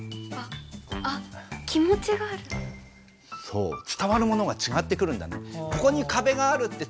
そう伝わるものがちがってくるんだね。